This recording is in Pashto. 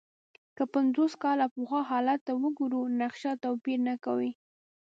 که پنځوس کاله پخوا حالت ته وګورو، نقشه توپیر نه کوي.